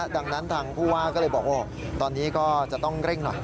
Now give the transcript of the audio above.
ดังนั้นทางผู้ว่าก็เลยบอกว่าตอนนี้ก็จะต้องเร่งหน่อย